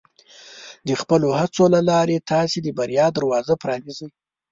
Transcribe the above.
د خپلو هڅو له لارې، تاسو د بریا دروازه پرانیزئ.